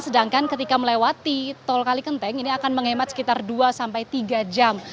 sedangkan ketika melewati tol kalikenteng ini akan menghemat sekitar dua sampai tiga jam